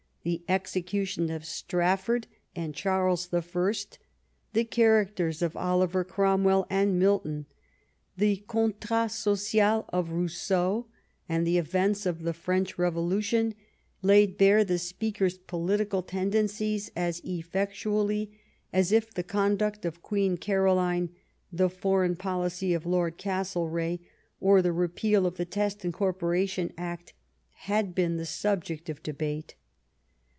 The execution of Strafford and Charles the First, the characters of Oliver Crom well and Milton, the ' Contrat Social ' of Rousseau, and the events of the French Revolution, laid bare the speakers' political tendencies as effectually as if the conduct of Queen Caroline, the foreign policy of Lord Castlereagh, or the Repeal of the Test and Corporation Act, had been the subject of debate."